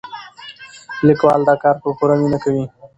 لیکوال دا کار په پوره مینه کوي.